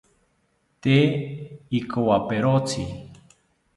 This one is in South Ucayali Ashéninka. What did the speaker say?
Tee ikowaperotzi